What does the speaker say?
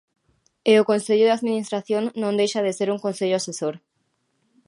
E o consello de administración non deixa de ser un consello asesor.